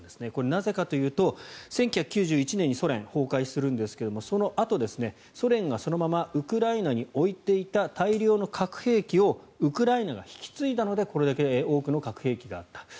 なぜかというと、１９９１年にソ連が崩壊するんですがそのあと、ソ連がそのままウクライナに置いていた大量の核兵器をウクライナが引き継いだのでこれだけ多くの核兵器があった。